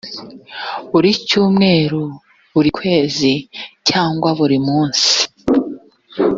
buri cyumweru buri kwezi cyangwa buri munsi